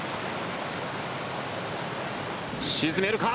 沈めるか？